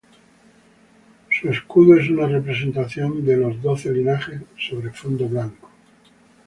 Su escudo es una representación de "Los Doce Linajes" sobre fondo blanco.